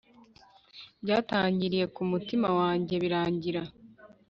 Byatangiriye kumutima wanjye birangira